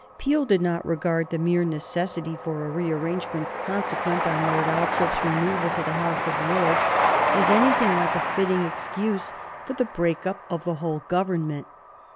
Peel did not regard the mere necessity for a rearrangement consequent on Lord Althorp's removal to the House of Lords as anything like a fitting excuse for the break up of the whole Government.